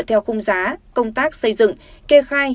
theo khung giá công tác xây dựng kê khai